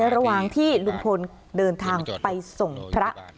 ระหว่างที่ลุงพลเดินทางไปส่งพระ